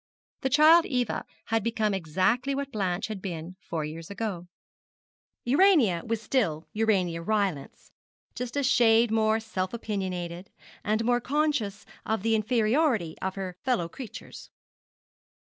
The child Eva had become exactly what Blanche had been four years ago. Urania was still Urania Rylance, just a shade more self opinionated, and more conscious of the inferiority of her fellow creatures.